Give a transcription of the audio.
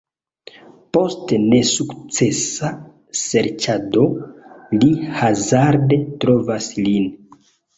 Post nesukcesa serĉado, li hazarde trovas lin.